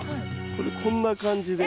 これこんな感じで。